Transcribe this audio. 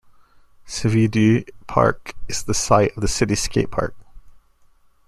Cevie Due Park is the site of the city's skate park.